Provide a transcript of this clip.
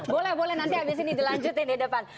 boleh boleh nanti habis ini dilanjutin di depan